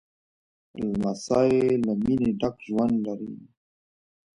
لمسی له مینې ډک ژوند لري.